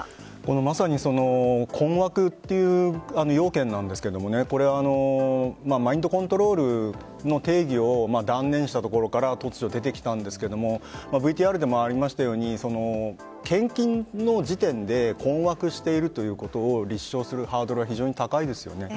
まさに困惑という要件なんですがマインドコントロールの定義を断念したところから突如、出てきたんですがＶＴＲでもありましたように献金の時点で困惑しているということを立証するハードルが非常に高いですよね。